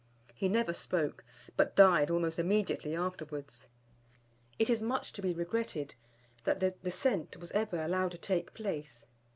He never spoke, but died almost immediately afterwards. It is much to be regretted that the descent was ever allowed to take place.